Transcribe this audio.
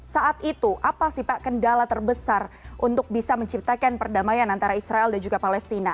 saat itu apa sih pak kendala terbesar untuk bisa menciptakan perdamaian antara israel dan juga palestina